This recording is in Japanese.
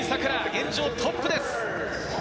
現状トップです。